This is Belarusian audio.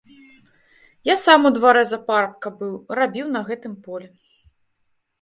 Я сам у дварэ за парабка быў, рабіў на гэтым полі.